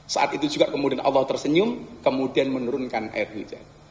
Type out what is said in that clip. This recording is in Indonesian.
saat itu juga kemudian allah tersenyum kemudian menurunkan air hujan